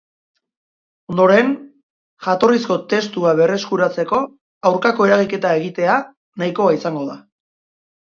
Ondoren, jatorrizko testua berreskuratzeko aurkako eragiketa egitea nahikoa izango da.